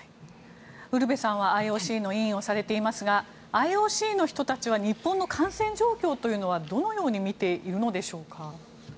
ウルヴェさんはＩＯＣの委員をされていますがＩＯＣの人たちは日本の感染状況はどのように見ているのでしょうか。